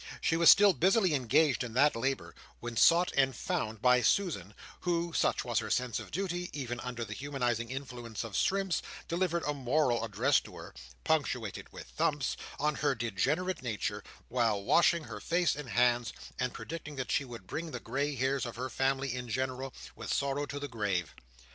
She was still busily engaged in that labour, when sought and found by Susan; who, such was her sense of duty, even under the humanizing influence of shrimps, delivered a moral address to her (punctuated with thumps) on her degenerate nature, while washing her face and hands; and predicted that she would bring the grey hairs of her family in general, with sorrow to the grave.